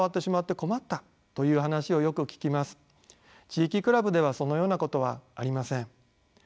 地域クラブではそのようなことはありません。